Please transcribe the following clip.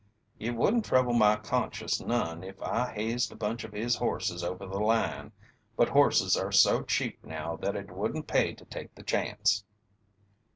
"It wouldn't trouble my conscience none if I hazed a bunch of his horses over the line, but horses are so cheap now that it wouldn't pay to take the chance."